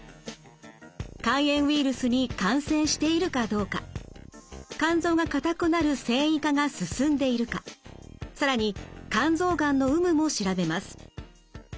肝炎ウイルスに感染しているかどうか肝臓が硬くなる線維化が進んでいるか更に肝臓がんの有無も調べます。